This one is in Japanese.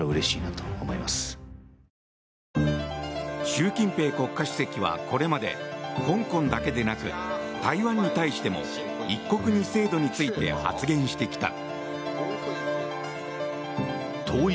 習近平国家主席はこれまで香港だけでなく台湾に対しても一国二制度について発言してきた。